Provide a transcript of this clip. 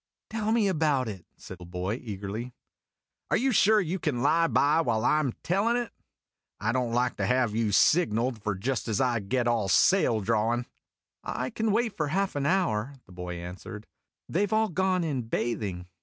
"Tell me about it," said the boy eagerly. "Are you sure you can lie by while I 'm tellin' it? I don't like to have you signaled for just as I get all sail drawin'." " I can wait for half an hour," the boy answered. "They Ve all gone in bathing."